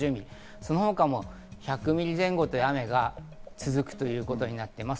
その他も１００ミリ前後という雨が続くということになっています。